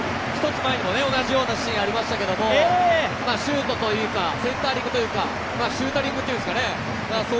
１つ前にもプレーがありましたけどシュートというか、センター力というかシュータリングというんですかね